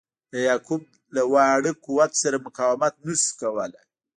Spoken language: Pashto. د یعقوب له واړه قوت سره مقاومت نه سو کولای.